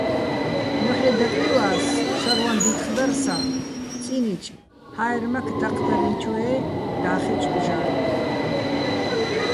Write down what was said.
მოჰ̦ე́ დაკლივა́ს, შარვაჼ დითხ დარ საღ, წინიჭ, ჰა́ერმაქ დაჴდალინჩოე́ და́ხეჩო̆ ბჟა́ნეჼ.